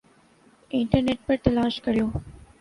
internet پر تلاش کر لو